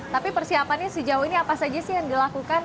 tapi persiapannya sejauh ini apa saja sih yang dilakukan